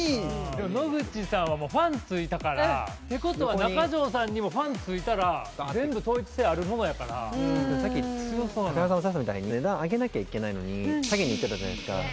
でも野口さんは、ファンついたから、ってことは、中城さんにもファンついたら、全部統一性あるもんやから。どっちかっていうと、値段上げなきゃいけないのに、下げにいってたじゃないですか。